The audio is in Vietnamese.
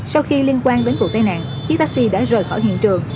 sau khi liên quan đến vụ tai nạn chiếc taxi đã rời khỏi hiện trường